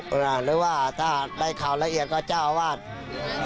หรือว่าถ้าได้ข่าวละเอียดก็เจ้าอาวาส